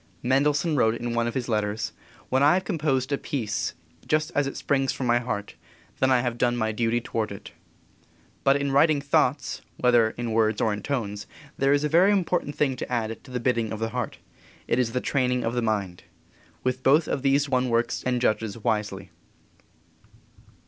Mendelssohn wrote in one of his letters: "When I have composed a piece just as it springs from my heart, then I have done my duty toward it." But in writing thoughts, whether in words or in tones, there is a very important thing to add to the bidding of the heart. It is the training of the mind. With both of these one works and judges wisely.